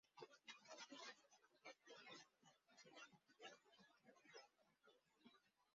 ইয়র্কশায়ারের বিপক্ষে প্রথমবারের মতো পাঁচ-উইকেটের সন্ধান পান।